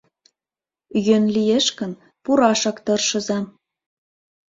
Йӧн лиеш гын, пурашак тыршыза.